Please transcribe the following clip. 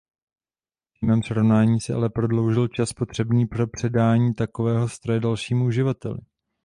V přímém srovnání se ale prodloužil čas potřebný pro předání takovéhoto stroje dalšímu uživateli.